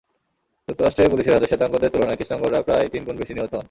যুক্তরাষ্ট্রের পুলিশের হাতে শ্বেতাঙ্গদের তুলনায় কৃষ্ণাঙ্গরা প্রায় তিন গুণ বেশি নিহত হন।